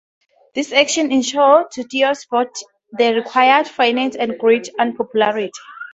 This action ensured to Teos both the required finances and a great unpopularity.